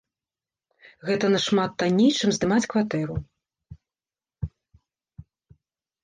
Гэта нашмат танней, чым здымаць кватэру.